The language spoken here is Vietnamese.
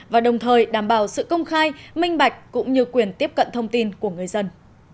và đồng thời đảm bảo sự công khai minh bạch cũng như quyền tiếp cận thông tin của người dân